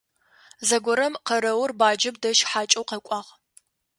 Зэгорэм къэрэур баджэм дэжь хьакӀэу къэкӀуагъ.